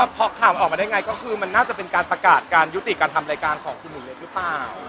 พอข่าวมันออกมาได้ไงก็คือมันน่าจะเป็นการประกาศการยุติการทำรายการของคุณหุ่นเล็กหรือเปล่า